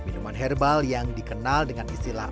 minuman herbal yang dikenal dengan istilah